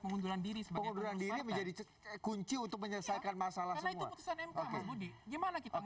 pengunduran diri sebagai pengunduran diri menjadi kunci untuk menyelesaikan masalah semua gimana kita